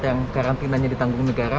yang karantinanya ditanggung negara